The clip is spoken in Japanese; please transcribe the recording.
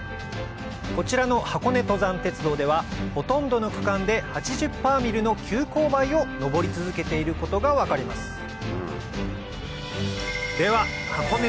こちらの箱根登山鉄道ではほとんどの区間で８０‰の急勾配を上り続けていることが分かります